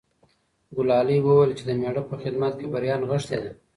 ګلالۍ وویل چې د مېړه په خدمت کې بریا نغښتې ده.